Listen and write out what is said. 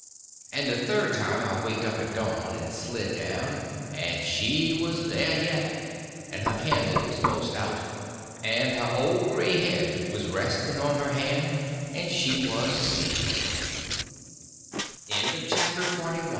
And the third time I waked up at dawn, and slid down, and she was there yet, and her candle was most out, and her old gray head was resting on her hand, and she was aslee